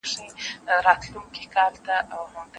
څېړونکی د متن سرچیني څنګه ارزوي؟